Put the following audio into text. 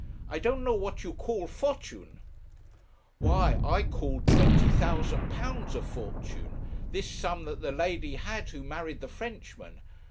I don't know what you call fortune.' 'Why I call £20,000 a fortune this sum that the lady had who married the Frenchman.